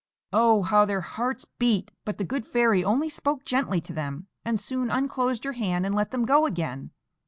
Oh, how their hearts beat! but the good fairy only spoke gently to them, and soon unclosed her hand and let them go again.